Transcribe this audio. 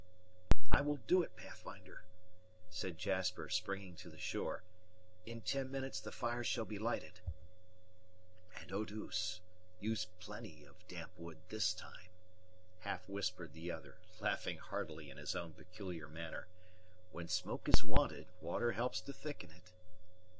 "I will do it, Pathfinder," said Jasper, springing to the shore. "In ten minutes the fire shall be lighted." "And, Eau douce, use plenty of damp wood this time," half whispered the other, laughing heartily, in his own peculiar manner; "when smoke is wanted, water helps to thicken it."